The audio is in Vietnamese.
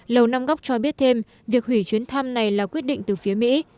lầu năm góc cho biết thêm việc hủy chuyến thăm này là quyết định từ phía mỹ